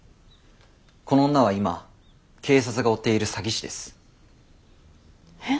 この女は今警察が追っている詐欺師です。え？